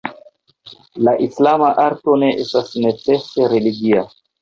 La islama arto ne estas necese religia.